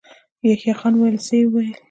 يحيی خان وويل: څه يې ويل؟